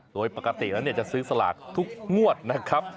โดยปกติแล้วจะซื้อสลากทุกงวดนะครับ